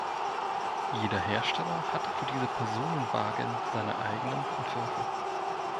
Jeder Hersteller hatte für diese Personenwagen seine eigenen Entwürfe.